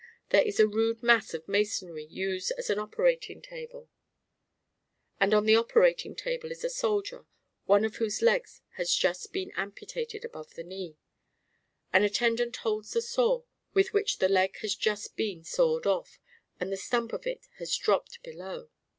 There is a rude mass of masonry used as an operating table; and on the operating table is a soldier, one of whose legs has just been amputated above the knee; an attendant holds the saw with which the leg has just been sawed off, and the stump of it has dropped below.